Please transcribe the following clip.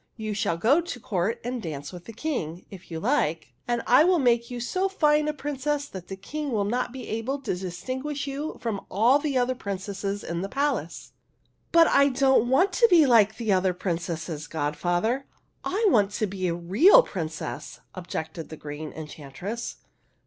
" You shall go to court and dance with the King, if you like ; and I will make you so fine a prin cess that the King will not be able to distin guish you from all the other princesses in the palace !"'' But I don't want to be like all the other princesses, godfather; I want to be a real princess," objected the Green Enchantress.